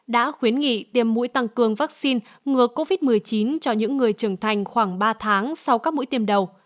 đã khuyến nghị tiêm mũi tăng cường vaccine ngừa covid một mươi chín cho những người trưởng thành khoảng ba tháng sau các mũi tiêm đầu